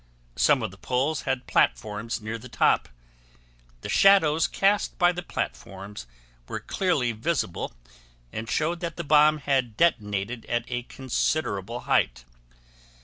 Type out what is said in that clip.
Some of the poles had platforms near the top. The shadows cast by the platforms were clearly visible and showed that the bomb had detonated at a considerable height.